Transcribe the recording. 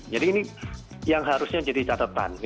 jadi ini yang harusnya jadi catatan